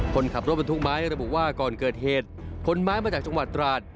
คนขับรถบรรทุกไม้ระบุว่าก่อนเกิดเหตุขนไม้มาจากจังหวัดตราด